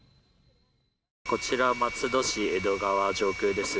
こちら松戸市・江戸川上空です。